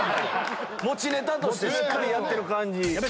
持ちネタとしてしっかりやってる感じ。